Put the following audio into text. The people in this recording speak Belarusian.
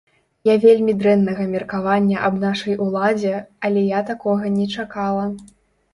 Я вельмі дрэннага меркавання аб нашай уладзе, але я такога не чакала.